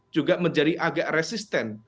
juga menjadi agak resisten